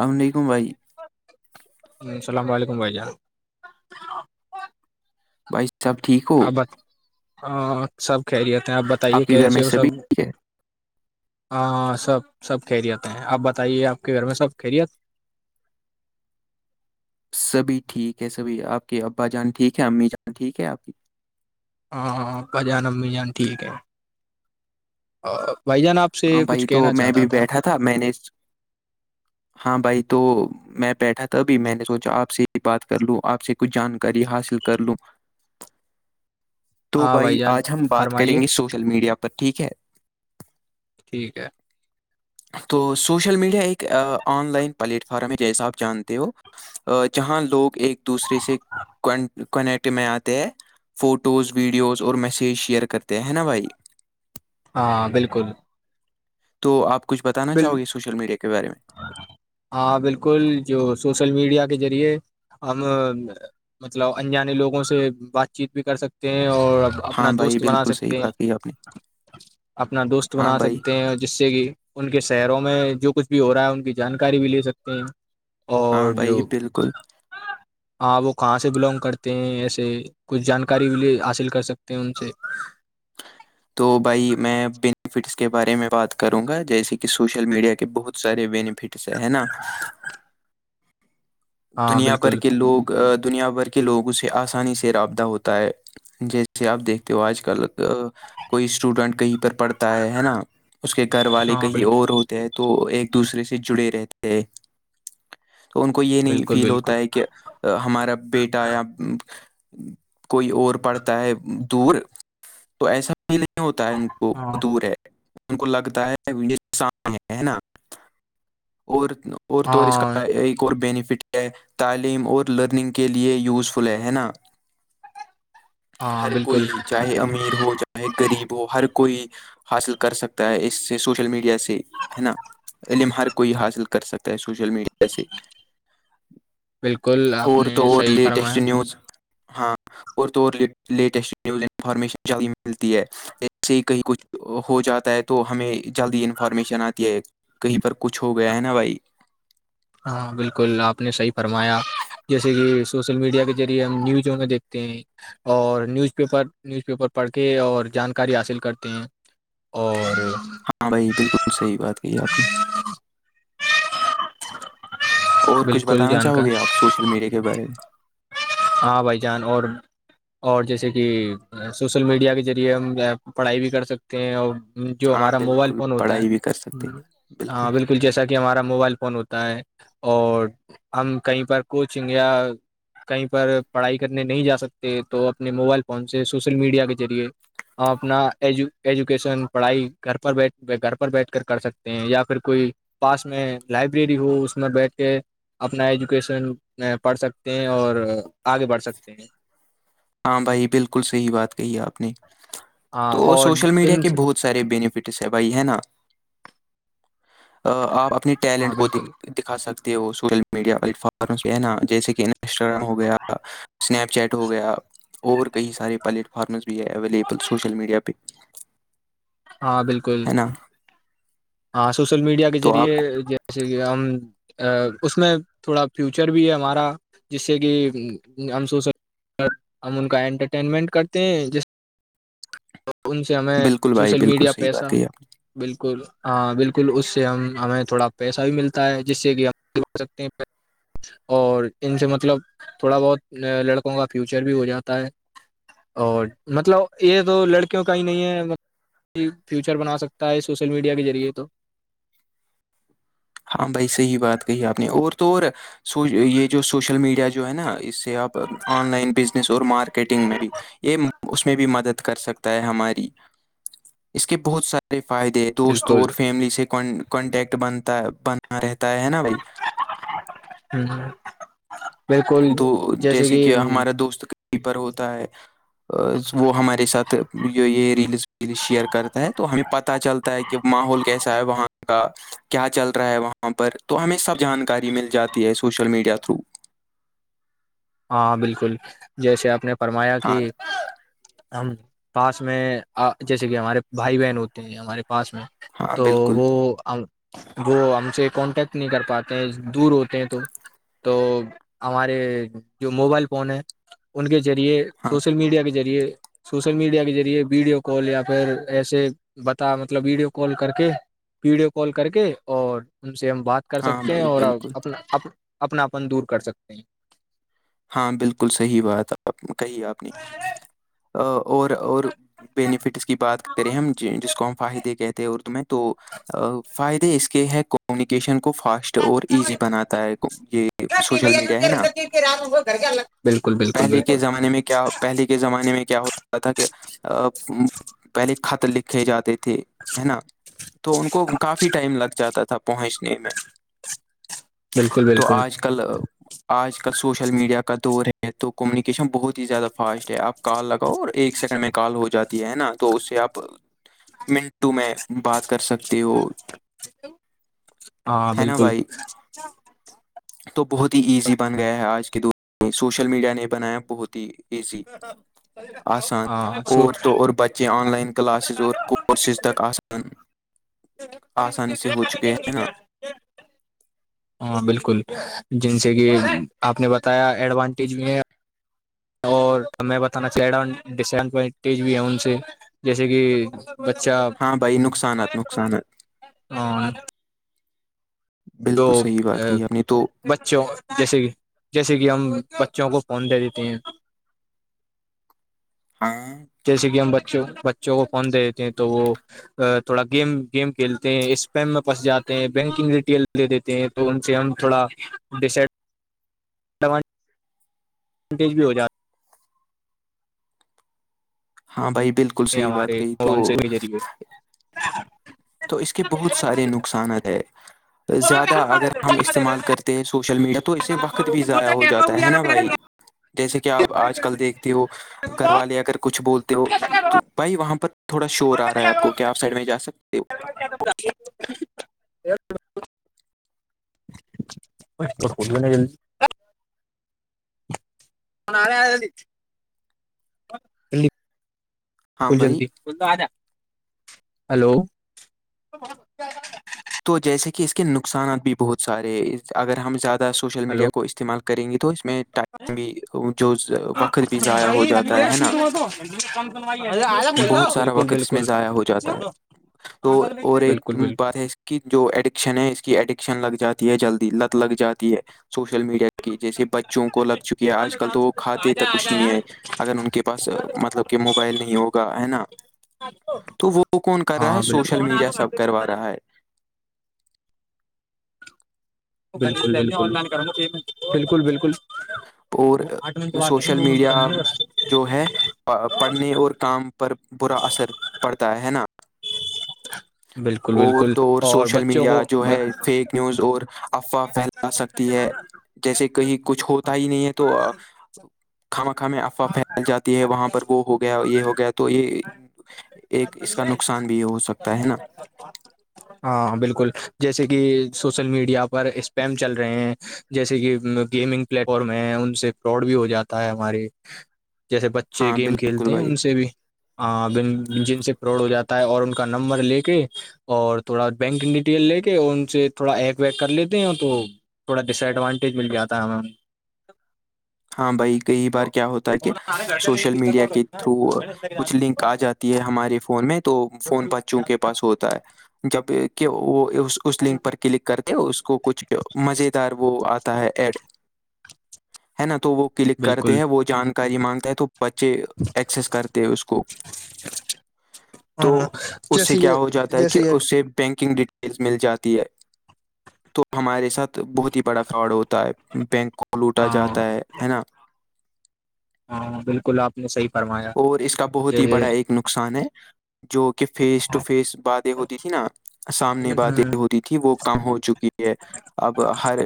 السلام علیکم بھائی ہ السلام علیکم بھائی جان بائیس [unintelligible] سب ٹھیک ہو آپ ب ہاں سب خہریت ہیں آپ بتائیے کے گھر میں کیسے ہو سب سبھی ٹھیک [unintelligible] ہے ہاں سب سب خیریت ہیں آپ بتائیے آپ کے گھر میں سب خیریت سبھی ٹھیک ہے سبھی آپ کے ابا جان ٹھیک ہے امی جان ٹھیک ہے آپ کی ہاں ہاں ابا جان امی جان ٹھیک ہے بھائی جان آپ سے ہاں کچھ بھائی تو کہنا میں چاہتا بھی بیٹھا تھا میں نے [inaudible] ہاں بھائی تو میں بیٹھا تھا ابھی میں نے سوچا آپ سے بات کر لوں آپ سے کچھ جانکاری حاصل کر لوں تو ہاں بھائی جان آج ہم بات فرمائیے کریں گے سوشل میڈیا پر ٹھیک ہے ٹھیک ہے تو سوشل میڈیا ایک آن لائن پلیٹ فارم ہے جیسا آپ جانتے ہو جہاں لوگ ایک دوسرے سے کونیکٹ میں آتے ہیں فوٹوز ویڈیوز اور میسیج شیئر کرتے ہیں نا بھائی ہاں بالکل تو آپ کچھ بتانا بال چاہو گے سوشل میڈیا کے بارے میں ہاں بالکل جو سوشل میڈیا کے ذریعے ہم مطلب ان جانے لوگوں سے بات چیت بھی کر سکتے ہیں اور اپنا ہاں بھائی دوست بنا بالکل صحیح سکتے ہیں بات کی آپ نے اپنا دوست ہاں بنا بھائی سکتے ہیں جیسے کہ ان کے شہروں میں جو کچھ بھی ہو رہا ہے ان کی جانکاری بھی لے سکتے ہیں ہاں اور بھائی جو بالکل ہاں وہ کہاں سے بلونگ کرتے ہیں ایسے کچھ جانکاری بھیے حاصل کر سکتے ہیں ان سے [inaudible] تو بھائی میں بینیفٹس کے بارے میں بات کروں گا جیسے کہ سوشل میڈیا کے بہت سارے بینیفٹ سے ہے نا ہاں دنیا بھر بالکل کے لوگ دنیا بھر کے لوگوں سے آسانی سے رابطہ ہوتا ہے جیسے آپ دیکھتے ہو آج کل کوئی اسٹوڈینٹ کہیں پر پڑھتا ہے ہے نا اس کے گھر والے ہاں کہیں بالکل اور ہوتے ہیں تو ایک دوسرے سے جڑے رہتے ہیں ان کو یہ نہیں بالکل فیل بالکل ہوتا ہے کہ ہمارا بیٹا یا کوئی اور پڑتا ہے دور تو ایسا فیل نہیں ہوتا ہے ان کو ہاں دور ہے ان کو لگتا ہے یہ سمنے ہے نا اور اور تو اور اس ہاں کا ایک اور بینیفٹ یہ تعلیم اور لرننگ کے لئے یوزفل ہے ہے نا ہاں ہر بالکل کوئی چاہے امیر ہو چاہے چاہے غریب ہو ہر کوئی حاصل کر سکتا ہے اس سے سوشل میڈیا سے ہے نا علم ہر کوئی حاصل کر سکتا ہے سوشل میڈیا سے بالکل آپ اور تو نے اور صحیح فرمایا لیٹسٹ نیوز ہاں اور تو اور لیٹسٹ نیوز انفارمیشن جلدی ملتی ہے ایسے ہی کہیں کچھ ہو جاتا ہے تو ہمیں جلدی انفارمیشن آتی ہے کہیں پر کچھ ہو گیا ہے نا بھائی ہاں بالکل آپ نے صحیح فرمایا جیسے کہ سوشل میڈیا کے ذریعے ہم نیوز میں دیکھتے ہیں اور نیوز پیپر نیوز پیپر پڑھ کے اور جانکاری حاصل کرتے ہیں اور ہاں بھائی بالکل صحیح بات کہی آپ نے اور کچھ بالکل بتانا جانکار چاہو گے آپ سوشل میڈیا کے بارے میں ہاں بھائی جان اور اور جیسے کہ سوشل میڈیا کے ذریعے ہم پڑھائی بھی کر سکتے ہیں اور جو ہاں ہمارا موبائل بالکل فون ہوتا پڑھائی بھی کر ہے سکتے ہاں بالکل اسکل جیسا کہ ہمارا موبائل فون ہوتا ہے اور ہم کہیں پر کوچنگ یا کہیں پر پڑھائی کرنے نہیں جا سکتے تو اپنے موبائل فون سے سوشل میڈیا کے ذریعے ہم اپنا ایجو ایجوکیشن پڑھائی گھر پر بیھ گھر پر بیٹھ کر کر سکتے ہیں یا پھر کوئی پاس میں لائبریری ہو اس میں بیٹھ کے اپنا ایجوکیشن پڑھ سکتے ہیں اور آگے بڑھ سکتے ہیں ہاں بھائی بالکل صحیح بات کہی آپ نے ہاں تو اور سوشل میڈیا ان کے سے بہت سارے بینیفٹس ہیں بھائی ہے نا آپ اپنی ہاں ٹیلنٹ کو بالکل دکھا سکتے ہو وہ سوشل میڈیا پلیٹ فارم پ ہے نا جیسے کہ نا انسٹاگرام ہو گیا سنیپ چیٹ ہو گیا اور کئی سارے پلیٹ فارمز بھی آ اییلیبل سوش مڈیا پہ ہاں بالکل ہے نا ہاں سوشل میڈیا کے تو آپ ذریعے کو جیسے کہ ہم اس میں تھوڑا فیوچر بھی ہے ہمارا جس سے کہ ہم سوچ س ہم ان کا انٹرٹینمنٹ کرتے ہیں جس تو ان سے ہمیں بالکل بھائی سوشل بالکل میڈیا صحیح پیسہ بات کہی آپ بالکل ہاں بالکل اس سے ہم ہمیں تھوڑا پیسہ بھی ملتا ہے جس سے کہ ہم سکتے ہیں اور ان سے مطلب تھوڑا بہت لڑکوں کا فیوچر بھی ہو جاتا ہے اور مطلب یہ تو لڑکیوں کا ہی نہیں ہے فیوچر بنا سکتا ہے سوشل میڈیا کے ذریعے تو ہاں بھائی صحیح بات کہی آپ نے اور تو اور سو یہ جو سوشل میڈیا جو ہے نا اس سے اپ آن لائن بزنس اور مارکیٹنگ میں بھی یہ اس میں بھی مدد کر سکتا ہے ہماری اس کے بہت ساریے فائدے دوست بالکل اور فیملی سے کانٹیکٹ بنتا بنا رہتا ہے نا بھائی ہوں بالکل تو جیسے کہ ہمارا دوست کیپر ہوتا ہے وہ ہمارے ساتھ یہ یہ ریلز ویل شیئر کرتا ہے تو ہمیں پت چلتا ہے کہ کہ ماحول کیسا ہے وہاں کا کیا چل رہا ہے وہاں پر تو ہمیں سب جانکاری مل جاتی ہے سوشل میڈیا تھرو ہاں بالکل جیسے آپ نے فرمایا کہ ہاں ہم پاس میں جیسے کہ ہمارے بھائی بہن ہوتے ہیں ہمارے پاس میں ہاں تو بالکل وہ وہ ہم سے کانٹیکٹ نہیں کر پاتے ہیں دور ہوتے ہیں تو تو ہمارے جو موبائل فون ہیں ان کے ذریعے ہاں سوشل میڈیا کے ذریعے سوشل میڈیا کے ذریعے ویڈیو کال یا پھر ایسے بتا مطلب ویڈیو کال کر کے ویڈیو کال کر کے اور ان سے ہم بات کر ہاں سکتے ہیں بھائی اور بالکل اپناپن دور کر سکتے ہیں ہاں بالکل صحیح بات آپ کہی آپ نے اور اور بینیفٹس کی بات کریں ہم جسکو ہم فاہد کہتے ہیں اردو میں تو فائدے اس کے ہیں کمیونکیشن کو فاسٹ اور ایزی بناتا ہے یہ سوشل میڈیا ہے نا رام ہوگا گھر کے الگ پہلے کے زمانے میں کیا پہلے کے زمانے میں کیا ہوتا تھا کہ پہلے خط لکھے جاتے تھے تھے ہے نا تو ان کو کافی ٹائم لگ جاتا تھا پہنچنے میں بالکل تو بالکل آج کل آج کل س سوشل میڈیا کا دور ہے تو کمیونیکیشن بہت ہی زیادہ فاسٹ ہے آپ کال لگاؤ اور ایک سیکنڈ میں کال ہو جاتی ہے نا تو اس سے آپ منٹو میں بات کر سکتے ہو ہاں ہے نا بالکل بھائی تو بہت ہی ایزی بن گیا ہے آج کے دور میں سوشل میڈیا نے بنایا بہت ہی ایسی آسان ہاں سو اور تووں اور بچ یہ آن لائن کلاسز اور کورسز تک آسان آسانی سے ہو چکے ہیں نا [inaudible] ہاں بالکل جن سے کہ آپ نے بتایا ایڈوانٹیج بھی ہے اور میں بتانا چاہ رہا ہوں ڈس ایڈوینٹیج بھی ہے ان سے جیسے کہ بچہ ہاں بھائی نقصانات نقصانات ہاں [unintelligible] تو بالکل صحیح بات کہی آپ نے تو بچوں جیسے کہ جیسے کہ ہم بچوں کو فون دے دیتے ہیں ہاں تو جیسے کہ ہم بچوں بچوں کو فون دے دیتے ہیں تو وہ تھوڑا گیم گیم کھیلتے ہیں اسپیم میں پن جاتے ہیں بینکنگ ڈیٹیل لے دیتے ہیں تو ان سے ہم تھوڑا ڈیسائڈ [unintelligible] وج بھی ہو جات ہے ہاں بھائی بالکل ہیں صحیح بات ہمارے کہی تو فون سے ذریعے تو اس کے بہت سارے نقصانات ہے زیادہ اگر ہم استعمال کرتے ہیں سوشل میڈیا پر تو اسے وقت بھی ضائع ہو جاتا ہے نا بھائی جیسے کہ آپ آج کل دیکھتے ہو گھر والے اگر کچھ بولتے ہو تو بھائی وہاں پر تھوڑا شور آ رہا ہے آپ کو کیا آپ سائڈ میں جا سکتے ہو [unintelligible] [unintelligible] [unintelligible] [unintelligible] ہاں بھائی جلدی ہلو تو جیسے کہ اس کے نقصانات بھی بہت سارے ہیں اگر ہم زیادہ سوشل ہلو میڈیا کو استعمال کریں گے تو اس میں ٹائم بھی جو وقت بھی ضائع ہو جاتا ہے نا [unintelligible] بہت سارا بالکل وقت اس میں بالکل ضائع ہو جاتا ہے تو اور ایک بالکل بات ہے اس کی جو ایڈکشن ہے اس کی ایڈکشن لگ جاتی ہے جلدی لت لگ جاتی ہے سوشل میڈیا کی جیسے بچوں کو لگ چکی ہے آج کل تو کھاتے تک کچھ نہیں ہے اگر ان کے پاس مطلب کہ موبائل نہیں ہوگا ہے نا تو وہ کون کر رہا ہاں ہے سوشل میڈیا سب بالکل کروا رہا ہے [unintelligible] بالکل بالکل اور آٹھ منٹ وات نہیں سوشل دو منٹ ک میڈیا بتے جو ہے پڑھنے اور کام پر برا اثر پڑتا ہے ہے نا بالکل اور بالکل تو اور سوشل بچوں میڈیا کو جو ب- ہے فیک نیوز اور افواہ پھیلا سکتی ہے جیسے کہیں کچھ ہوتا ہی نہیں ہے تو خامخا افواہ پھیل جاتی ہے وہاں پر وہ ہو گیا یہ ہو گیا تو یہ ایک اس کا نقصان بھی یہ ہو سکتا ہے نا ہاں بالکل جیسے کہ سوشل میڈیا پر اسپیم چل رہے ہیں جیسے کہ گیمنگ پلیٹ فارم ہے ان سے پراڈ بھی ہو جاتا ہے ہمارے جیسے بچے ہاں گیم بالکل کھیلتے ہیں بھائی ان سے بھی ہاں جن سے پروڈ ہو جاتا ہے اور ان کا نمبر لے کے اور تھوڑا بینک ڈیٹیل لے کے اور ان سے تھوڑا ایک ویک کر لیتے ہیں تو تھوڑا ڈسڈوانٹیج مل جاتا ہمیں ہاں بھائی کئی بار کیا ہوتا ہے کہ سوشل میڈیا کے تھرو کچھ لنک آ جاتا یہ ہمارے فون میں تو فون بچوں کے پاس ہوتا ہے جب کہ وہ اس اس لنک پر کلک کر کے اس کو کچھ مزے دار وہ آتا ہے ایڈ ہے نا تو وہ کلک کرتے بالکل ہیں وہ جانکاری مانگتا ہے تو بچے ایکسس کرتے ہیں اس کو تو ہاں اس سے جیسے یہ کیا ہو جاتا ہے کہ جیسے یہ اسے بینکنگ ڈیٹ مل جاتی ہے تو ہمارے ساتھ بہت ہی بڑا فراڈ ہوتا ہے بینک کو لوٹا ہاں جاتا ہے ہے نا ہاں بالکل آپ نے صحی فرمایا اور اس کا بہت ہی یہ بڑا ایک نقصان ہے جو کہ فیس ٹو فیس باتیں ہوتی تھی نا سامنے باتیں ہوتی تھی وہ کم ہو چکی ہے اب ہر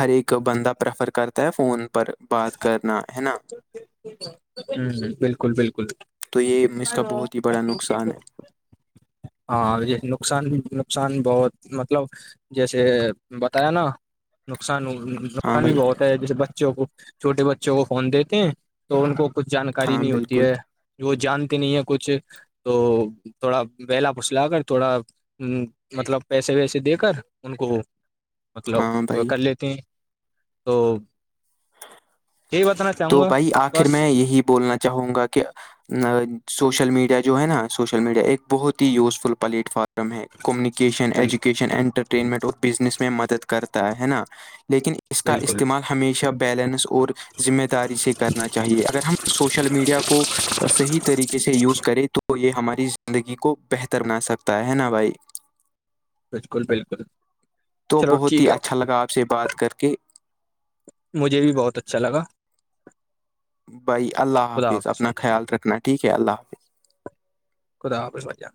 ہر ایک بندہ پرریفر کرتا ہے فون پر بات کرنا ہے نا ہمم بالکل بالکل تو یہ اس کا بہت ہی بڑا نقصان ہے ہاں یہ نقصان نقصان بہت مطلب جیسے بتایا نا نقصان ہاں نقصان بھی بھائی بہت ہے جیسے بچوں کو چھوٹے بچوں کو فون دیتے ہیں تو ان کو کچھ جانکاری ہاں نہیں ہوتی بالکل ہے وہ جانتے نہیں ہیں کچھ تو تھوڑا بہلا پسلا کر تھوڑا ہمم مطلب پیسے ویسے دے کر ان کو مطلب ہاں بھائی کر لیتی ہیں تو یہ وتن تو بھائی آخر میں یہی بولنا چاہوں گا کہ سوشل میڈیا جو ہے نا سوشل میڈیا ایک بہت ہی یوزفل پلیٹ فارم ہے کمیونیکیشن بالکل ایجوکیشن اٹر ٹرینمنٹ اور بزنس میں مدد کرتا ہے نا لیکن اس کا بالکل استعمال ہمیشہ بیلنس اور ذمہ داری سے کرنا چاہیے اگر ہم سوشل میڈیا کو صحیح طریقے سے یوز کریں تو تو یہ ہماری زندگی کو بہتر بنا سکتا ہے نا بھائی بالکل بالکل تو چلو بہت ٹھیک ہی ہے اچھا لگا آپ سے بات کر کے مجھے بھی بہت اچھا لگا بھائی اللہ خدا حافظ اپنا بھائی جان خیال رکھنا ٹھیک ہے اللہ حافظ خدا حافظ بھائی جان